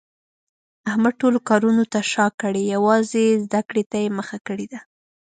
احمد ټولو کارونو ته شاکړې یووازې زده کړې ته یې مخه کړې ده.